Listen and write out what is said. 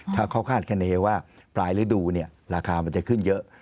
ถ้าเขาคาดคณีว่าปลายฤดูราคามันจะขึ้นเยอะ